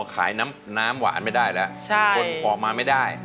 ขายน้ำหวานไม่ได้แล้วคนออกมาไม่ได้